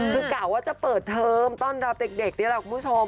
คือกะว่าจะเปิดเทอมต้อนรับเด็กนี่แหละคุณผู้ชม